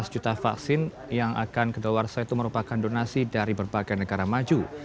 delapan belas juta vaksin yang akan kedalawarsa itu merupakan donasi dari berbagai negara maju